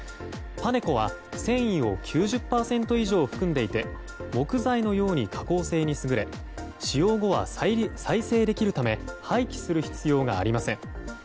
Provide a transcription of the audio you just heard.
「パネコ」は繊維を９０％以上含んでいて木材のように加工性に優れ使用後は再生できるため廃棄する必要がありません。